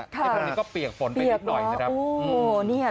ไอ้พวกนี้ก็เปียกฝนไปนิดหน่อยนะครับ